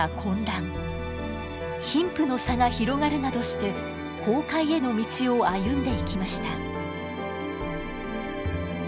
貧富の差が広がるなどして崩壊への道を歩んでいきました。